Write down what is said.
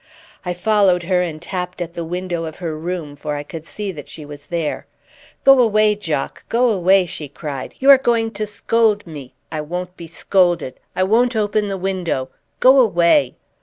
I followed her and tapped at the window of her room, for I could see that she was there. "Go away, Jock, go away!" she cried. "You are going to scold me! I won't be scolded! I won't open the window! Go away!"